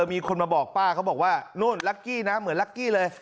มีคนมาบอกป้าเขาบอกว่านู่นลักกี้นะเหมือนลักกี้เลย